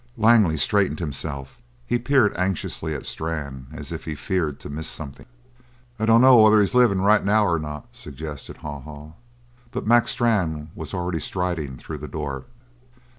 Langley straightened himself. He peered anxiously at Strann, as if he feared to miss something. "I dunno whether he's livin' right now, or not," suggested Haw Haw. But Mac Strann was already striding through the door.